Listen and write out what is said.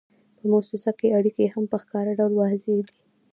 په موسسه کې اړیکې هم په ښکاره ډول واضحې وي.